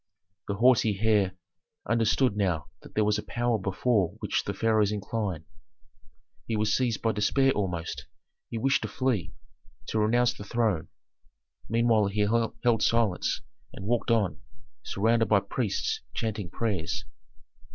The haughty heir understood now that there was a power before which the pharaohs incline. He was seized by despair almost; he wished to flee, to renounce the throne. Meanwhile he held silence and walked on, surrounded by priests chanting prayers.